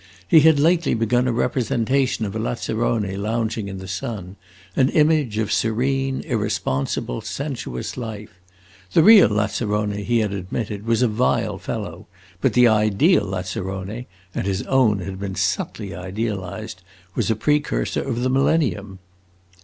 He had lately begun a representation of a lazzarone lounging in the sun; an image of serene, irresponsible, sensuous life. The real lazzarone, he had admitted, was a vile fellow; but the ideal lazzarone and his own had been subtly idealized was a precursor of the millennium.